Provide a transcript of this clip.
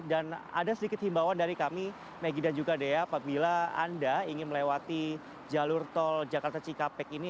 dan ada sedikit himbawan dari kami maggie dan juga dea apabila anda ingin melewati jalur tol jakarta cikampek ini